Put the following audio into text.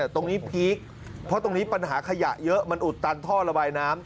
ตรงนี้พีคเพราะตรงนี้ปัญหาขยะเยอะมันอุดตันท่อระบายน้ำ